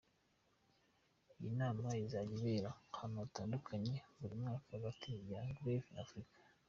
Iyi nama izajya ibera ahantu hatandukanye buri mwaka hagati ya Genève na Afurika.